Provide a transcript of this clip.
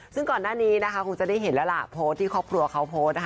ซึ่งก่อนหน้านี้นะคะคงจะได้เห็นแล้วล่ะโพสต์ที่ครอบครัวเขาโพสต์นะคะ